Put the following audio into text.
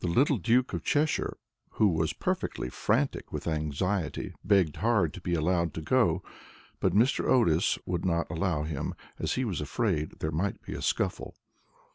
The little Duke of Cheshire, who was perfectly frantic with anxiety, begged hard to be allowed to go too, but Mr. Otis would not allow him, as he was afraid there might be a scuffle.